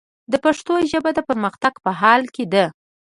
د پښتو ژبه، د پرمختګ په حال کې ده.